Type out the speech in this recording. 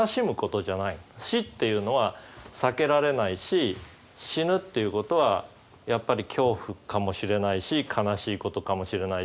死っていうのは避けられないし死ぬっていうことはやっぱり恐怖かもしれないし悲しいことかもしれないし